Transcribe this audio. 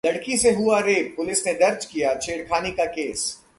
लड़की से हुआ रेप! पुलिस ने दर्ज किया छेड़खानी का केस